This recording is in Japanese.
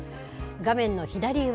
画面の左上。